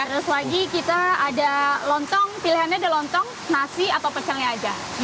terus lagi kita ada lontong pilihannya ada lontong nasi atau pecelnya aja